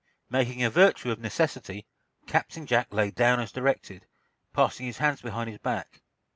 Making a virtue of necessity, Captain Jack lay down as directed, passing his hands behind his back.